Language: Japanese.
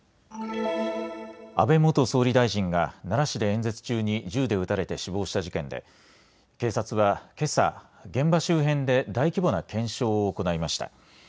安倍元総理大臣が奈良市で演説中に銃で撃たれて死亡した事件で警察はけさ現場周辺で大規模な検証を行いました。